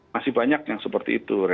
masih banyak yang seperti itu